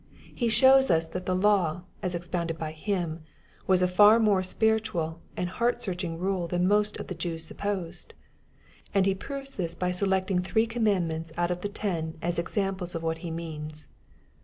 He shows us that the law, as expounded by Him, was a far more spiritual and heart searching rule than most of the Jews supposed. And He proves this by selecting three commandments out of the ten as examples of what He means.